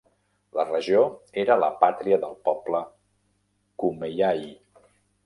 La regió era la pàtria del poble Kumeyaay.